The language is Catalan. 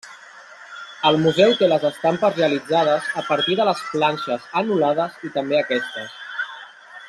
El museu té les estampes realitzades a partir de les planxes anul·lades i també aquestes.